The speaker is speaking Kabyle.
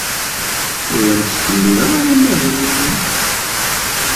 Ur am-ttkemmileɣ ara amahil-nnem.